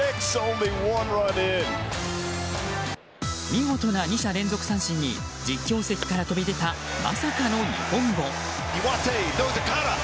見事な２者連続三振に実況席から飛び出たまさかの日本語。